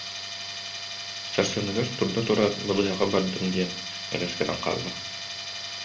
Сарсыныгар турда тураат, балыыһаҕа бардым диэн элэс гынан хаалла